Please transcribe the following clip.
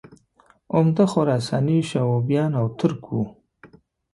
عمده خراساني شعوبیان او ترک وو